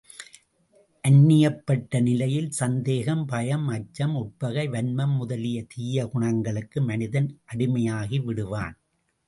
அந்நியப்பட்ட நிலையில் சந்தேகம், பயம், அச்சம், உட்பகை, வன்மம் முதலிய தீய குணங்களுக்கு மனிதன் அடிமையாகி விடுவான்.